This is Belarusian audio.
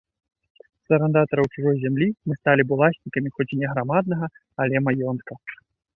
З арандатараў чужой зямлі мы сталі б уласнікамі хоць і не аграмаднага, але маёнтка.